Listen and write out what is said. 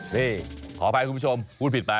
นี่ขออภัยคุณผู้ชมพูดผิดไป